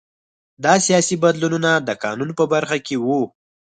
دا سیاسي بدلونونه د قانون په برخه کې وو